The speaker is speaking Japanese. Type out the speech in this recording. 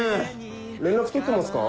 連絡取ってますか？